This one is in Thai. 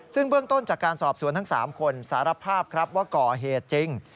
ซึ่งเบื้องต้นจากการสอบสวนทั้ง๓คนสารภาพครับว่าก่อเหตุจริง